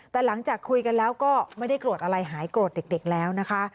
แต่หลังจากคุยกันแล้วก็ไม่ได้โกรธอะไรหายโกรธเด็กแล้วนะคะ